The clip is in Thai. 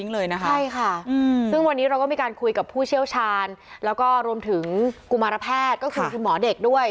แล้วก็รวมถึงกุมารแพทย์ก็คือคุณหมอเด็กด้วย